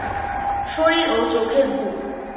শশীর ও চোখের ভুল।